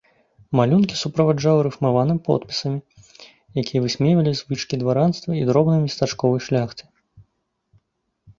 Малюнкі суправаджаў рыфмаваным подпісамі, якія высмейвалі звычкі дваранства і дробнай местачковай шляхты.